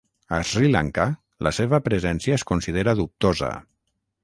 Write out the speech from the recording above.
A Sri Lanka, la seva presència es considera dubtosa.